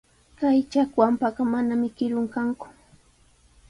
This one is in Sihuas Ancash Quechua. Kay chakwanpaqa mananami kirun kanku.